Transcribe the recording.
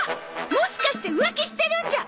もしかして浮気してるんじゃ！？